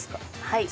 はい。